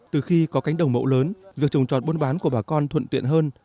từ khi có cánh đồng mẫu lớn việc trồng trọt bôn bán của bà con thuận tuyện hơn